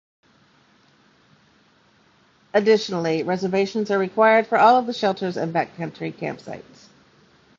Additionally, reservations are required for all of the shelters and backcountry campsites.